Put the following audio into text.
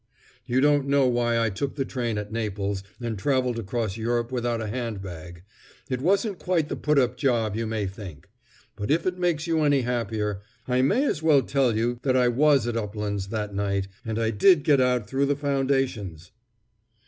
You don't know why I took the train at Naples, and traveled across Europe without a hand bag. It wasn't quite the put up job you may think. But, if it makes you any happier, I may as well tell you that I was at Uplands that night, and I did get out through the foundations!"